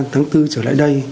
tháng bốn trở lại đây